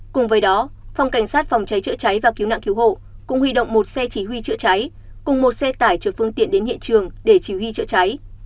cùng với đó phòng cảnh sát phòng cháy chữa cháy và cứu nạn cứu hộ cũng huy động một xe chỉ huy chữa cháy cùng một xe tải chở phương tiện đến hiện trường để chỉ huy chữa cháy